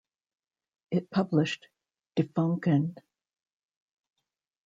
It published "De Fonken".